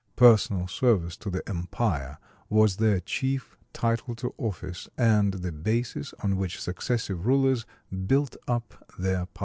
Personal service to the empire was their chief title to office and the basis on which successive rulers built up their power.